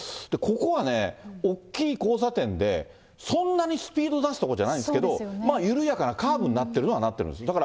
ここはね、大きい交差点で、そんなにスピード出すとこじゃないんですけど、緩やかなカーブになってるのはなってるんです。